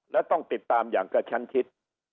และต้องติดตามอย่างกระชั้นชิด